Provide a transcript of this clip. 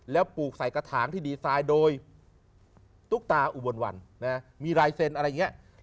แล้วปลูกใส่กระถางที่ดีไซน์โดยตุ๊กตาอุบลวันนะมีลายเซ็นต์อะไรอย่างนี้